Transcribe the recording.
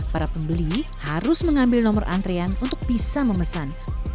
para pembeli harus mengambil nomor antrean untuk bisa memesan